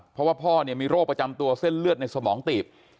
เพราะว่าพ่อมีโรคประจำตัวเส้นเลือดในสมองตีบ